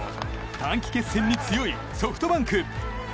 短期決戦に強いソフトバンク。